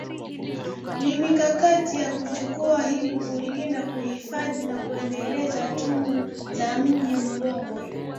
Ni mikakati ya kuchukua ili kulinda kuhifadhi na kuendeleza tunu za Mji Mkongwe